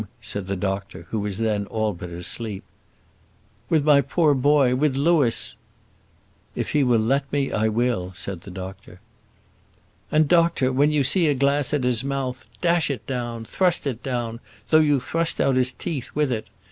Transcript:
said the doctor, who was then all but asleep. "With my poor boy; with Louis." "If he will let me, I will," said the doctor. "And, doctor, when you see a glass at his mouth, dash it down; thrust it down, though you thrust out the teeth with it.